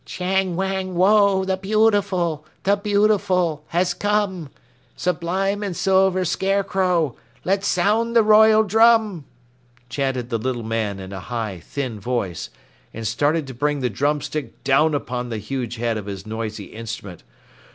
Chang Wang Woe, the Beautiful, The Beautiful has come! Sublime and silver Scarecrow, Let sound the royal drum! chanted the little man in a high, thin voice, and started to bring the drumstick down upon the huge head of his noisy instrument.